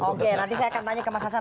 oke nanti saya akan tanya ke mas hasan